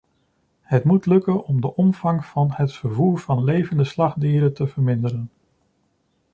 Het moet lukken om de omvang van het vervoer van levende slachtdieren te verminderen.